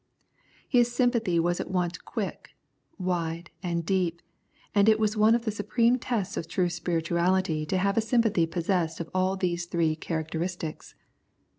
His sympathy was at once quick, wide, and deep, and it is one of the supreme tests of true spirituality to have a sympathy possessed of all these three charac 79 The Prayers of St. Paul teristics.